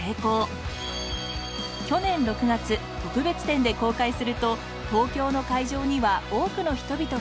去年６月特別展で公開すると東京の会場には多くの人々が。